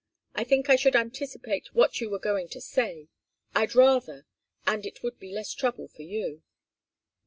I think I should anticipate what you were going to say. I'd rather and it would be less trouble for you."